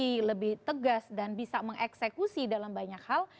lebih tegas dan bisa mengeksekusi dalam banyak hal